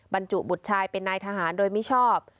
บรรจุบุตรชายเป็นนายทหารโดยมิชอบ